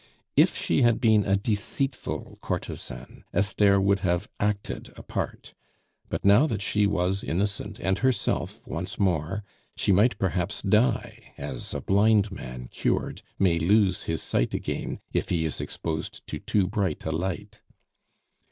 If she had been a deceitful courtesan, Esther would have acted a part; but now that she was innocent and herself once more, she might perhaps die, as a blind man cured may lose his sight again if he is exposed to too bright a light.